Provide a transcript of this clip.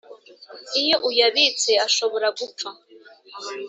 Iyo uyabitse ashobora gupfa